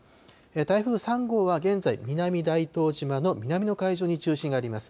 台風３号は現在、南大東島の南の海上に中心があります。